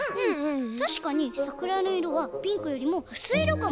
たしかにさくらのいろはピンクよりもうすいいろかも。